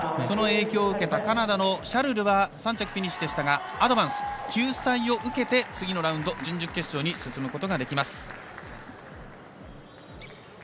その影響を受けたカナダのシャルルは３着フィニッシュでしたがアドバンス救済を受けて次のラウンド準々決勝に進むことができます。